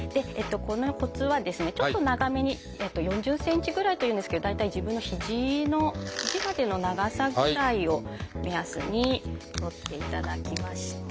このコツはですねちょっと長めに４０ｃｍぐらいというんですけど大体自分のひじのひじまでの長さぐらいを目安に取っていただきまして。